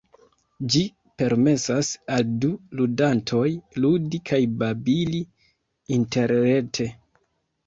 Ĝi permesas al du ludantoj ludi kaj babili interrete.